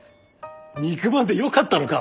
肉まんでよかったのか。